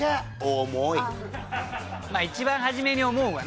まあ一番初めに思うわな。